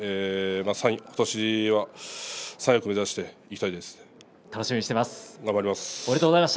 今年は三役を目指していきたいです。